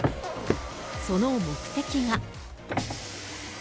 その目的が。